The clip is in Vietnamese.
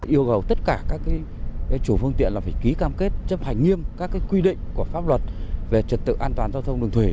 yêu cầu tất cả các chủ phương tiện phải ký cam kết chấp hành nghiêm các quy định của pháp luật về trật tự an toàn giao thông đường thủy